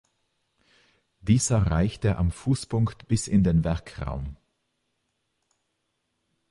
Dieser reichte am Fußpunkt bis in den Werkraum.